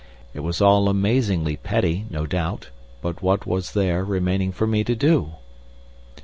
It was all amazingly petty, no doubt, but what was there remaining for me to do?